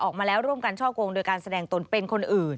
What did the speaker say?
ออกมาแล้วร่วมกันช่อกงโดยการแสดงตนเป็นคนอื่น